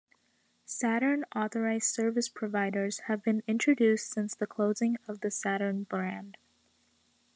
Saturn Authorized Service Providers have been introduced since the closing of the Saturn brand.